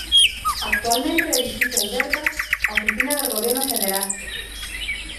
Actualmente el edificio alberga oficinas del gobierno federal.